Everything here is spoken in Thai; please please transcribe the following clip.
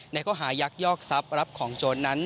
ในโฆหยักยอกทรัพย์ยึดรับของโชนนั้น